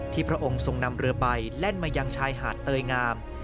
พระองค์ทรงนำเรือไปแล่นมายังชายหาดเตยงาม